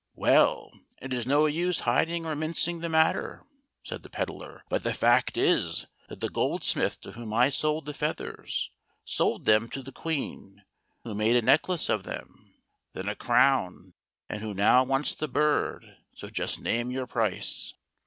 "Well, it is no use hiding or mincing the matter," said the pedlar; "but the fact is, that the goldsmith to whom I sold the feathers, sold them to the Queen, who made a necklace of them, then a crown, and who now wants the bird, so just name your price."